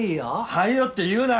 「はいよ」って言うな！